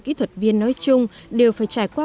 kỹ thuật viên nói chung đều phải trải qua